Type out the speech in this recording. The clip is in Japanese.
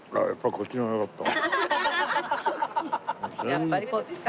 やっぱりこっちか。